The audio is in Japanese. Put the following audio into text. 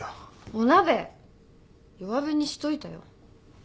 お鍋弱火にしといたよ。